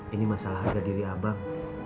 ini masalah harga diri abang